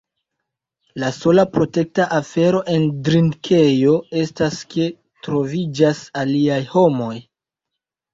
La sola protekta afero en drinkejo estas ke troviĝas aliaj homoj.